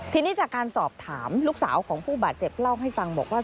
ทีนี้จากการสอบถามลูกสาวของผู้บาดเจ็บเล่าให้ฟังบอกว่า